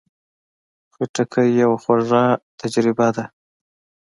خټکی یوه خواږه تجربه ده.